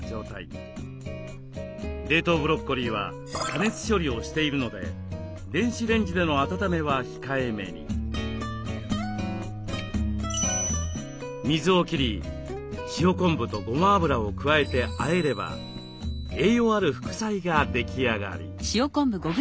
冷凍ブロッコリーは加熱処理をしているので水を切り塩昆布とごま油を加えてあえれば栄養ある副菜が出来上がり。